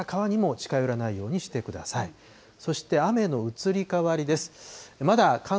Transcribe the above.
危険な川にも近寄らないようにしてください。